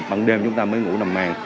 bằng đêm chúng ta mới ngủ nằm mang